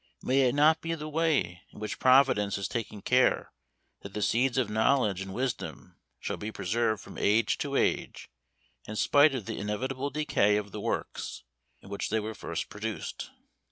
may it not be the way in which Providence has taken care that the seeds of knowledge and wisdom shall be preserved from age to age, in spite of the inevitable decay of the works in which they were first produced?